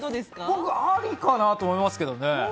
僕はありかなと思いますけどね。